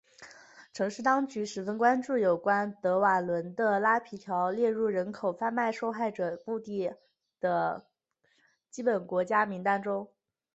城市当局十分关注有关德瓦伦的拉皮条列入人口贩卖受害者目的地的基本国家名单中。